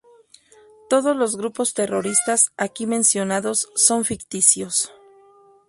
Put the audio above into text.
Todos los grupos terroristas aquí mencionados son ficticios.